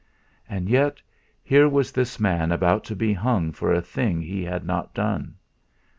And yet, here was this man about to be hung for a thing he had not done!